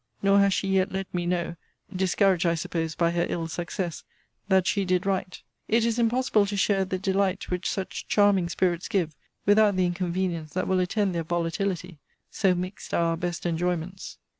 Nor has she yet let me know (discouraged, I suppose, by her ill success) that she did write. It is impossible to share the delight which such charming spirits give, without the inconvenience that will attend their volatility. So mixed are our best enjoyments!